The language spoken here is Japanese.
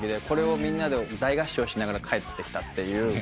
これをみんなで大合唱しながら帰ってきたっていう。